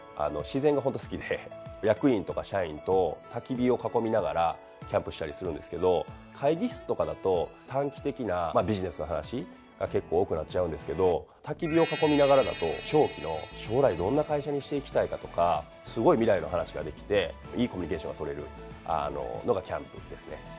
自然がホント好きで役員とか社員とたき火を囲みながらキャンプしたりするんですけど会議室とかだと短期的なビジネスの話が結構多くなっちゃうんですけどたき火を囲みながらだと長期の将来どんな会社にしていきたいだとかすごい未来の話ができていいコミュニケーションがとれるのがキャンプですね。